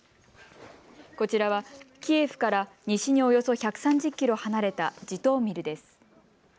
こちらはキエフから西におよそ１３０キロ離れたジトーミルです。